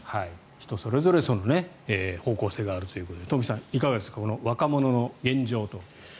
人それぞれ方向性があるということで東輝さん、いかがですか若者の現状と。